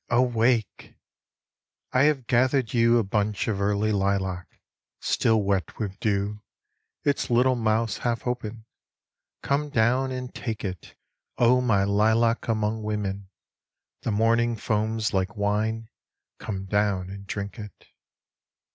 AWAKE ! I have gathered you a bunch of early lilac, Still wet with dew, its little mouths half open. Come down and take it, O my Lilac among Women. The morning foams like wine ; come down and drink it.